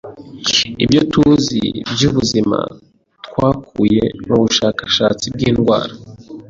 Ibyo tuzi byubuzima twakuye mubushakashatsi bwindwara.